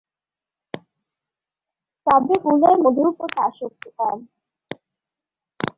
তবে ফুলের মধুর প্রতি আসক্তি কম।